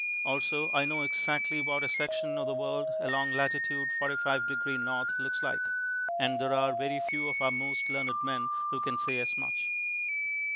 Also I know exactly what a section of the world along lat. 45 deg. N. looks like and there are very few of our most learned men who can say as much.